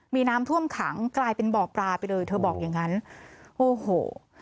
มีน้ำท่วมขังกลายเป็นบ่อปลาไปเลยเธอบอกอย่างงั้นโอ้โห